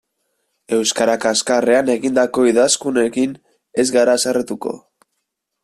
Euskara kaxkarrean egindako idazkunekin ez gara haserretuko.